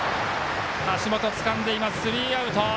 橋本つかんでいますスリーアウト。